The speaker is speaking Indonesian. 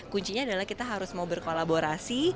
kuncinya adalah kita harus mau berkolaborasi